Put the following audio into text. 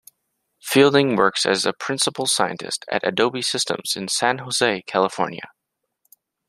Fielding works as a Principal Scientist at Adobe Systems in San Jose, California.